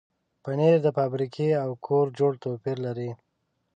پنېر د فابریکې او کور جوړ توپیر لري.